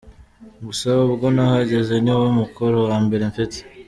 Gusa ubwo nahageze ni wo mukoro wa mbere mfite.